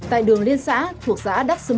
tại đường liên xã thuộc xã đắk xưng